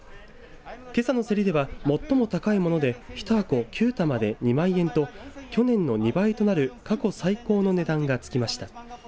けさの競りでは最も高いもので一箱９玉で２万円と去年の２倍となる過去最高の値段がつきました。